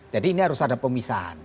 jadi ini harus ada pemisahan